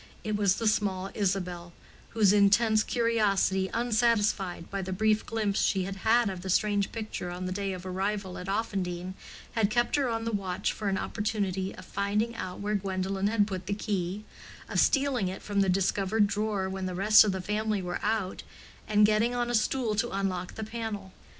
It was the small Isabel, whose intense curiosity, unsatisfied by the brief glimpse she had had of the strange picture on the day of arrival at Offendene, had kept her on the watch for an opportunity of finding out where Gwendolen had put the key, of stealing it from the discovered drawer when the rest of the family were out, and getting on a stool to unlock the panel.